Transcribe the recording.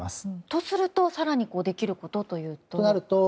とすると更にできることとなると。